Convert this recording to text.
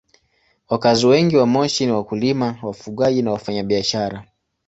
Wakazi wengi wa Moshi ni wakulima, wafugaji na wafanyabiashara.